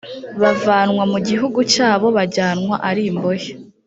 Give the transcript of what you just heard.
bavanwa mu gihugu cyabo bajyanwa ari imbohe